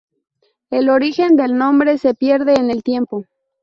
El origen del nombre se pierde en el tiempo.